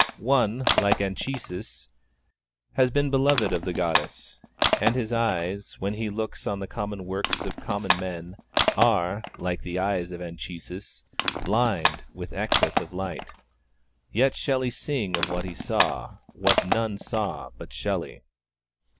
One, like Anchises, has been beloved of the Goddess, and his eyes, when he looks on the common works of common men, are, like the eyes of Anchises, blind with excess of light. Let Shelley sing of what he saw, what none saw but Shelley!